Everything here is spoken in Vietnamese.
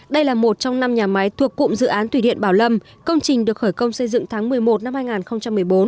đây là một trong năm nhà máy thuộc cụm dự án thủy điện bảo lâm công trình được khởi công xây dựng tháng một mươi một năm hai nghìn một mươi bốn